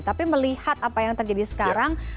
tapi melihat apa yang terjadi sekarang